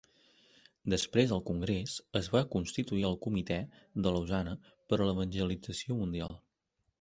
Després del congrés, es va constituir el Comitè de Lausana per a l'Evangelització Mundial.